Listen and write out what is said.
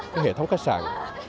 các hệ thống khách sạn